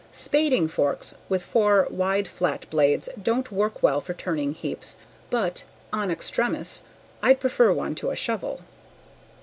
Spading forks with four wide flat blades don't work well for turning heaps, but en extremis I'd prefer one to a shovel.